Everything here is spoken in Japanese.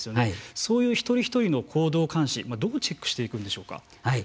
そういう一人一人の行動監視どうチェックしていくんでしょうか。